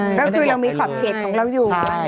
ก็คือเรามีขอบเขตของเราอยู่